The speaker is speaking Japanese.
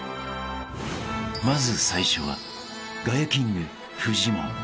［まず最初はガヤキングフジモン］